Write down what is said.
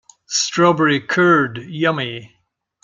Strawberry curd, yummy!